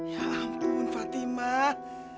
ya ampun fatimah